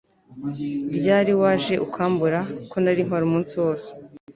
Ryari waje urambura? Ko narimpari umunsi wose